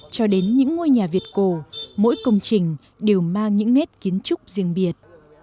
cho đến những ngôi nhà việt cổ mỗi công trình đều mang những nét kiến trúc riêng biệt